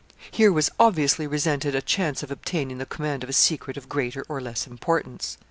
Here was obviously resented a chance of obtaining the command of a secret of greater or less importance.